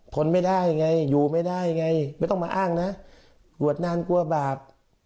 ทนไม่ได้ไงอยู่ไม่ได้ไงไม่ต้องมาอ้างนะบวชนานกลัวบาป